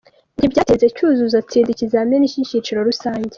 Ntibyatinze Cyuzuzo atsinda ikizamini cy’icyiciro rusange .